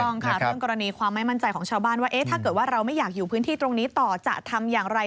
ต้องค่ะเรื่องกรณีความไม่มั่นใจของชาวบ้านว่าถ้าเกิดว่าเราไม่อยากอยู่พื้นที่ตรงนี้ต่อจะทำอย่างไร